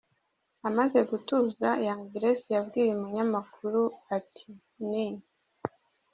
Amaze gutuza, Young Grace yabwiye yabwiye umunyamakuru ati Ni.